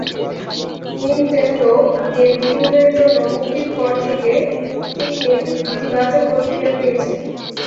Nintendo গেমকিউবের জন্য মুক্তির পর থেকে, "পিকমিন" ইতিবাচক প্রতিক্রিয়া পেয়েছে।